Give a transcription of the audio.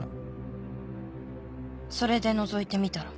それでのぞいてみたら。